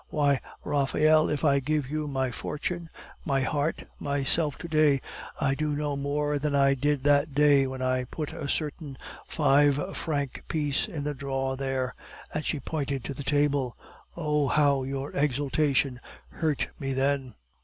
Why, Raphael, if I give you my fortune, my heart, myself to day, I do no more than I did that day when I put a certain five franc piece in the drawer there," and she pointed to the table. "Oh, how your exultation hurt me then!"